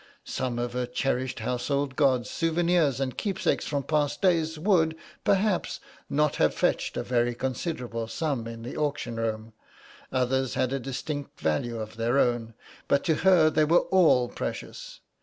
Some of her cherished household gods, souvenirs and keepsakes from past days, would, perhaps, not have fetched a very considerable sum in the auction room, others had a distinct value of their own, but to her they were all precious.